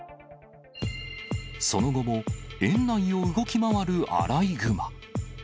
その後も園内を動き回るアライグマ。